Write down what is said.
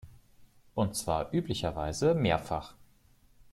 Und zwar üblicherweise mehrfach.